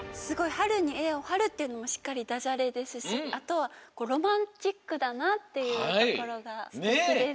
「はるにえをはる」ってのもしっかりダジャレですしあとはロマンチックだなっていうところがすてきです。